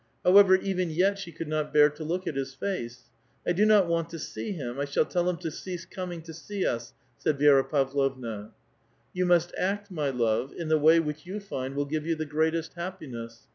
However, even yet she could not bear to look at his face. ^^I do not want to see him ; I shall tell him to cease com ing to see us," said Vi6ra Pavlovna. *' You must act, my love, in the way whicli you find will give you the greatest happiness.